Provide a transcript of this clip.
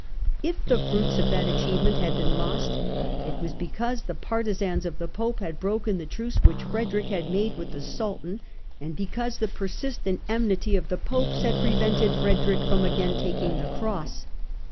If the fruits of that achievement had been lost, it was because the partisans of the Pope had broken the truce which Frederick had made with the Sultan, and because the persistent enmity of the Popes had pre vented Frederick from again taking the Cross.